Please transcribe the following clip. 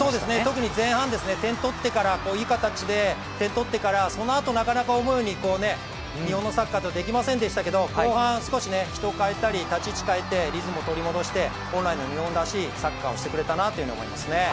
特に前半、いい形で点取ってから、そのあと思うように日本のサッカーができませんでしたけど、後半少し人を代えたり立ち位置かえてリズムを取り戻して本来の日本らしいサッカーをしてくれたなと思いましたね。